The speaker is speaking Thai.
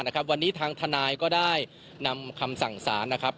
วันนี้ทางทนายก็ได้นำคำสั่งสารนะครับ